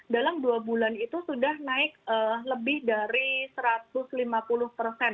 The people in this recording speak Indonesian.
dalam dua bulan itu sudah naik lebih dari satu ratus lima puluh persen